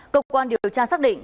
công quan điều tra xác định